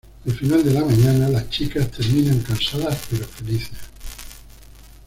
Al final de la mañana, las chicas terminan cansadas pero felices.